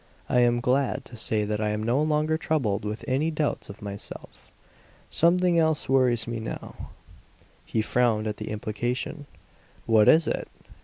"I am glad to say that I am no longer troubled with any doubts of myself. Something else worries me now." He frowned at the implication. "What is it?"